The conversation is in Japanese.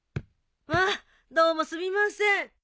まあどうもすみません。